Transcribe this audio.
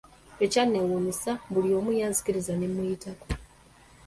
Ekyanneewuunyisa, buli omu, yanzikiriza ne muyitako!